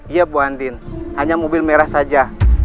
iya bu andin hanya mobil merah saja